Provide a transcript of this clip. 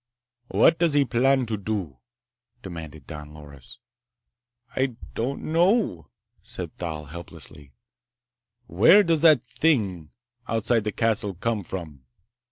"What does he plan to do?" demanded Don Loris. "I don't know," said Thal helplessly. "Where does that ... that thing outside the castle come from?"